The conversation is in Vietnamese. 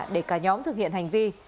để cả nhóm thực hiện hành vi